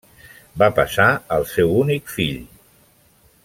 Va passar al seu únic fill.